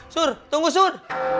sur tunggu sur